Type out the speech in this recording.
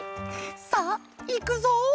さあいくぞ」。